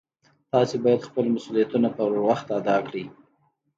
تاسې باید خپل مسؤلیتونه په وخت ادا کړئ